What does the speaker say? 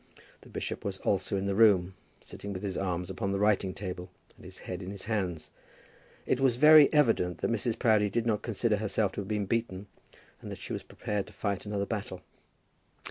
The bishop was also in the room, sitting with his arms upon the writing table, and his head upon his hands. It was very evident that Mrs. Proudie did not consider herself to have been beaten, and that she was prepared to fight another battle.